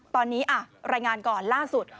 ตอนนี้รายงานก่อนล่าสุด